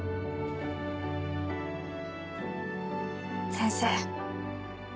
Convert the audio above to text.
先生。